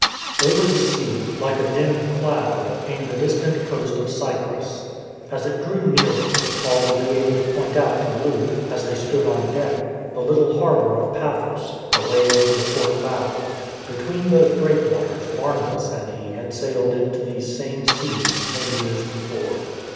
Over the sea, like a dim cloud, came the distant coast of Cyprus. As it drew nearer Paul would be able to point out to Luke, as they stood on deck, the little harbour of Paphos, away over the port bow. Be tween those breakwaters Barnabas and he had sailed into these same seas ten years before.